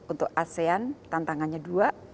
untuk asean tantangannya dua